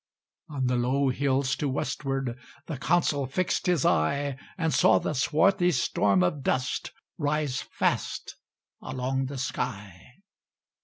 On the low hills to westward The Consul fixed his eye, And saw the swarthy storm of dust Rise fast along the sky.